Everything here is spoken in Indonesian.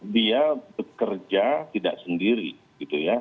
dia bekerja tidak sendiri gitu ya